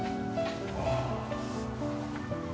ああ。